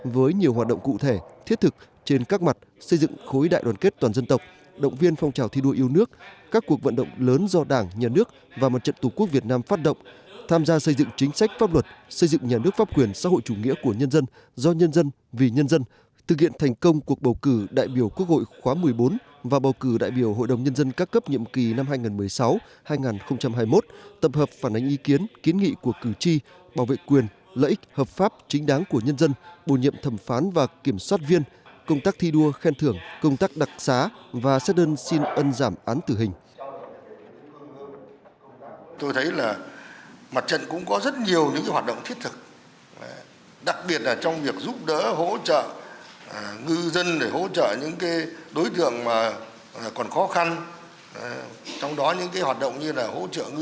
vì nhân dân thực hiện thành công cuộc bầu cử đại biểu quốc hội khóa một mươi bốn và bầu cử đại biểu hội đồng nhân dân các cấp nhiệm kỳ năm hai nghìn một mươi sáu hai nghìn hai mươi một tập hợp phản ánh ý kiến kiến nghị của cử tri bảo vệ quyền lợi ích hợp pháp chính đáng của nhân dân bổ nhiệm thẩm phán và kiểm soát viên công tác thi đua khen thưởng công tác đặc xá và xét đơn xin ân giảm án tử hình